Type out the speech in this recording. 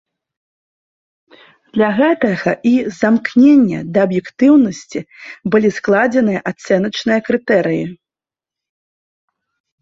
Для гэтага і з-за імкнення да аб'ектыўнасці былі складзеныя ацэначныя крытэрыі.